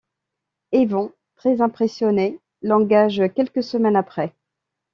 Evans, très impressionné, l'engage quelques semaines après.